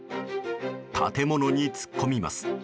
建物に突っ込みます。